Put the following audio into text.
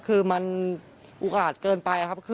คือมันอุกอาจเกินไปครับ